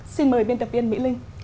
xin mời biên tập viên mỹ linh